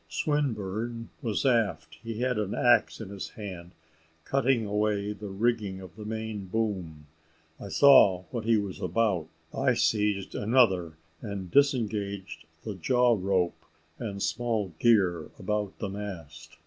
Swinburne was aft; he had an axe in his hand, cutting away the rigging of the main boom. I saw what he was about; I seized another, and disengaged the jaw rope and small gear about the mast.